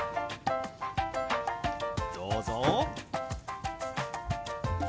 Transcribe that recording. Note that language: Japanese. どうぞ！